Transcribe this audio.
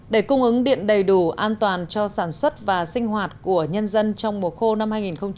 để cung ứng điện đầy đủ an toàn cho sản xuất và sinh hoạt của nhân dân trong mùa khô năm hai nghìn hai mươi